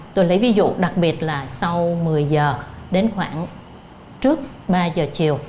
tôi lấy ví dụ đặc biệt là sau một mươi giờ đến khoảng trước ba giờ chiều